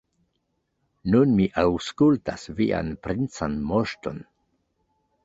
Nun mi aŭskultas vian princan moŝton.